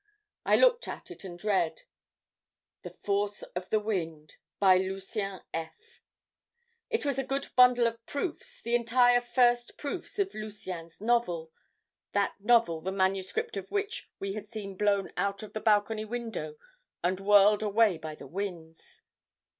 "I looked at it and read: "'"The Force of the Wind," by Lucien F.' "It was a good bundle of proofs, the entire first proofs of Lucien's novel, that novel the manuscript of which we had seen blown out of the balcony window and whirled away by the winds.